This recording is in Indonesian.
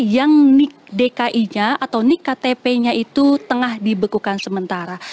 yang nik dki nya atau nik ktp nya itu tengah dibekukan sementara